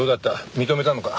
認めたのか？